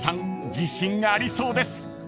自信ありそうです］